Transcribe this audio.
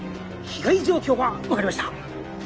被害状況は分かりました。